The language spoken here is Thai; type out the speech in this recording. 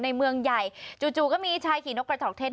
ในเมืองใหญ่จู่ก็มีชายขี่นกกระจอกเทศ